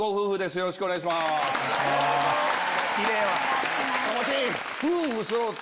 よろしくお願いします。